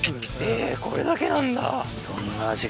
えっこれだけなんだ。